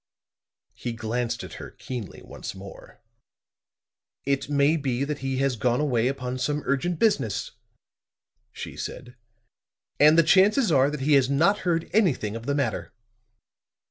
He glanced at her keenly once more. "It may be that he has gone away upon some urgent business," she said. "And the chances are that he has not heard anything of the matter."